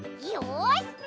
よし！